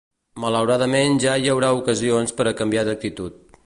Malauradament ja hi haurà ocasions per a canviar d’actitud.